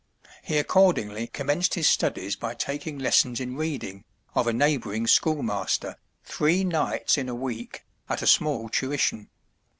He accordingly commenced his studies by taking lessons in reading, of a neighboring school master, three nights in a week, at a small tuition.